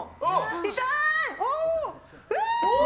痛い！